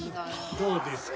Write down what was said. どうですか？